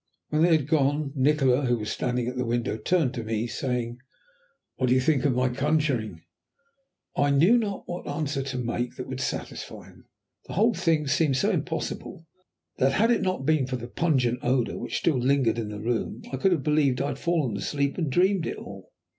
When they had gone, Nikola, who was standing at the window, turned to me, saying "What do you think of my conjuring?" I knew not what answer to make that would satisfy him. The whole thing seemed so impossible that, had it not been for the pungent odour that still lingered in the room, I could have believed I had fallen asleep and dreamed it all.